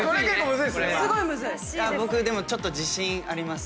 僕ちょっと自信あります。